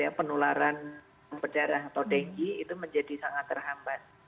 ya penularan berdarah atau denggi itu menjadi sangat terhambat